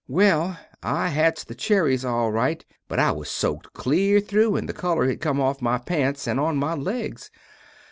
Well I had pickt the cheries al rite but I was soked clear through and the color had come off my pants and on my legs.